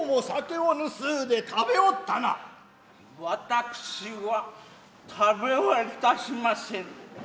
私は食べは致しませぬ。